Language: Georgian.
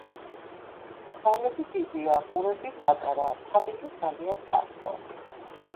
თვალები დიდია, ყურები პატარა, თავი კი ძალიან ფართო.